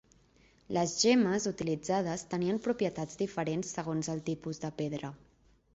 Les gemmes utilitzades tenien propietats diferents segons el tipus de pedra.